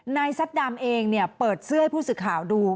ซัดดำเองเปิดเสื้อให้ผู้สื่อข่าวดู